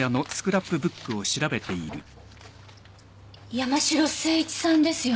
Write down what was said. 山城誠一さんですよね？